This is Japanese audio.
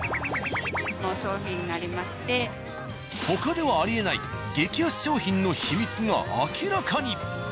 他ではありえない激安商品の秘密が明らかに。